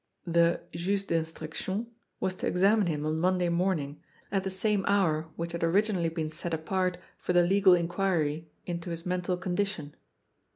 The Juge d'Instruction was to examine him on Monday morning, at the same hour which had originally been set apart for the legal inquiry into his mental condition.